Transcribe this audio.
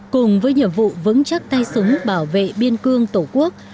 cùng với nhiệm vụ vững chắc tay súng bảo vệ biên cương tổ quốc